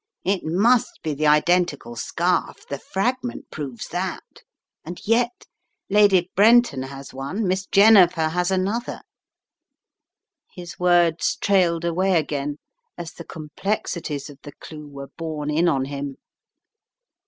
"It must be the identical scarf, the fragment proves that, and yet — Lady Brenton has one, Miss Jennifer has another " his words trail ed away again as the complexities of the clue were borne in on him.